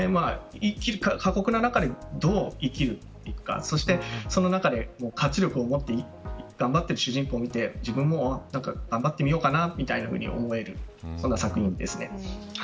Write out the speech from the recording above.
過酷な中で、どう生きるというかそしてその中で活力を持って頑張っている主人公を見て自分も頑張ってみようかなみたいに思えるそんな作品です。